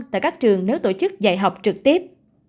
tại các trường nếu tổ chức dạy học trực tiếp